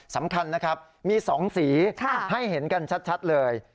สำคัญนะครับมี๒สีให้เห็นกันชัดเลย